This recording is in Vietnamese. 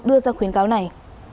đưa ra khuyến cáo này